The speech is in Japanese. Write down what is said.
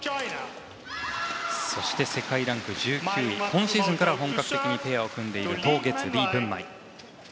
そして、世界ランク１９位今シーズンから本格的にペアを組んでいるト・ゲツ、リ・ブンマイ。